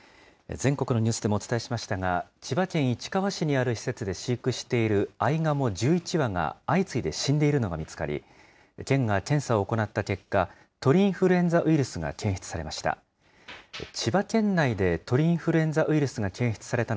全国のニュースでもお伝えしましたが、千葉県市川市にある施設で飼育しているアイガモ１１羽が相次いで死んでいるのが見つかり、県が検査を行った結果、鳥インフルエンザウイルスが検出されました。